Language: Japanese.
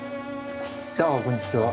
ああこんにちは。